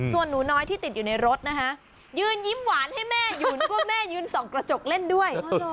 ส่วนหนูน้อยที่ติดอยู่ในรถนะคะยืนยิ้มหวานให้แม่อยู่นึกว่าแม่ยืนส่องกระจกเล่นด้วย